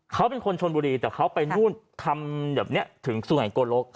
เขาเป็นคนชนบุรีแต่เขาไปนู่นทำแบบนี้ถึงสุไงโกลก